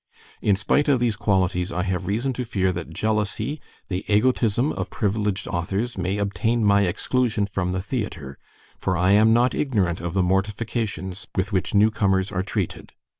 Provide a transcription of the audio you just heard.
In spite of these qualities I have reason to fear that jealousy, the egotism of priviliged authors, may obtaine my exclusion from the theatre, for I am not ignorant of the mortifications with which newcomers are treated.